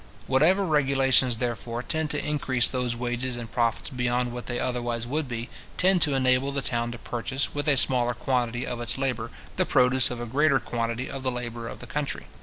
Whatever regulations, therefore, tend to increase those wages and profits beyond what they otherwise: would be, tend to enable the town to purchase, with a smaller quantity of its labour, the produce of a greater quantity of the labour of the country.